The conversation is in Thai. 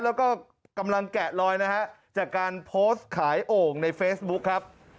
แล้วก็กำลังแกะลอยนะฮะจากการโพสต์ขายโอ่งในเฟซบุ๊คครับ